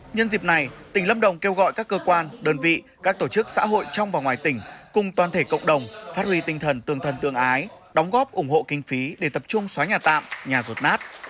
nhân dịp này tỉnh lâm đồng kêu gọi các cơ quan đơn vị các tổ chức xã hội trong và ngoài tỉnh cùng toàn thể cộng đồng phát huy tinh thần tương thân tương ái đóng góp ủng hộ kinh phí để tập trung xóa nhà tạm nhà rột nát